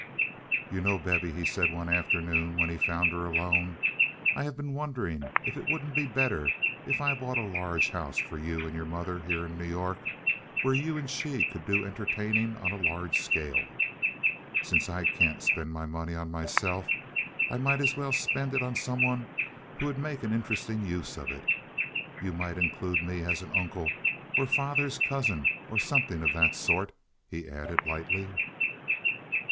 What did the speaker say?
"You know, Bevy," he said, one afternoon when he found her alone, "I have been wondering if it wouldn't be better if I bought a large house for you and your mother here in New York, where you and she could do entertaining on a large scale. Since I can't spend my money on myself, I might as well spend it on some one who would make an interesting use of it. You might include me as an uncle or father's cousin or something of that sort," he added, lightly.